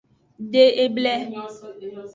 De eble.